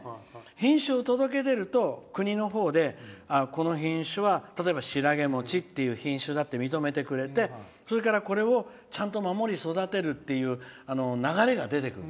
品種を届け出ると国のほうでこの品種はシラゲモチっていう品種だって認めてくれてそれからこれをちゃんと守り育てるっていう流れが出てくる。